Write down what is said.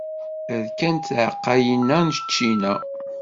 Rkant tεeqqayin-a n ččina.